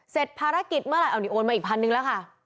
เสร็จภารกิจเมื่อไหร่โอนมาอีก๑๐๐๐บาทแล้วค่ะ